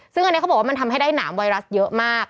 ซึ่งอันนี้เขาบอกว่ามันทำให้ได้หนามไวรัสเยอะมาก